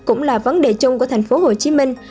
cũng là vấn đề chung của thành phố hồ chí minh